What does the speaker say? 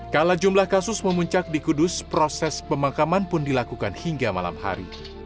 kala jumlah kasus memuncak di kudus proses pemakaman pun dilakukan hingga malam hari